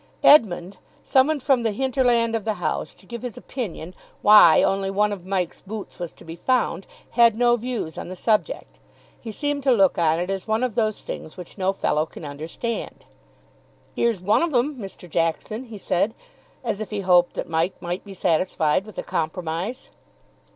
Edmund, summoned from the hinterland of the house to give his opinion why only one of Mike's boots was to be found, had no views on the subject. He seemed to look on it as one of those things which no fellow can understand. "'Ere's one of 'em, Mr. Jackson," he said, as if he hoped that Mike might be satisfied with a compromise.